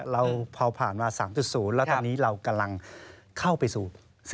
เราพอผ่านมา๓๐แล้วตอนนี้เรากำลังเข้าไปสู่